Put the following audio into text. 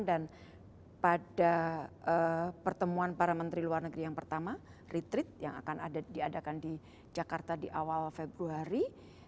dan pada pertemuan para menteri luar negeri yang pertama retreat yang akan diadakan di jakarta di awal februari